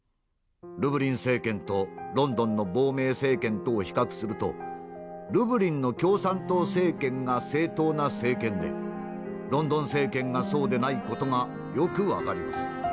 ルブリン政権とロンドンの亡命政権とを比較するとルブリンの共産党政権が正統な政権でロンドン政権がそうでない事がよく分かります」。